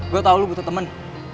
gue tau lo butuh teman